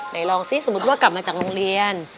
ลองซิสมมุติว่ากลับมาจากโรงเรียน